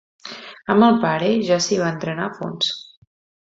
Amb el pare ja s'hi va entrenar a fons.